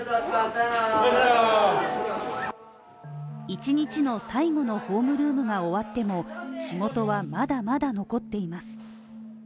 一日の最後のホームルームが終わっても仕事はまだまだ残っています。